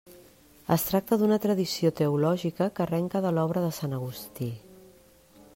Es tracta d'una tradició teològica que arrenca de l'obra de sant Agustí.